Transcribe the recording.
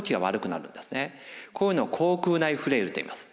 こういうのを口腔内フレイルといいます。